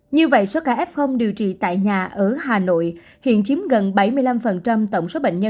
như vậy số ca f điều trị tại nhà ở hà nội hiện chiếm gần bảy mươi năm tổng số bệnh nhân